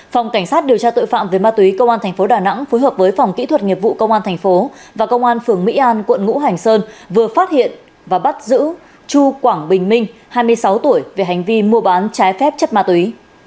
phòng cảnh sát điều tra tội phạm về ma túy công an tp đà nẵng phối hợp với phòng kỹ thuật nghiệp vụ công an thành phố và công an phường mỹ an quận ngũ hành sơn vừa phát hiện và bắt giữ chu quảng bình minh hai mươi sáu tuổi về hành vi mua bán trái phép chất ma túy